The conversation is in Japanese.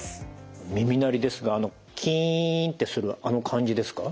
耳鳴りですがキンってするあの感じですか？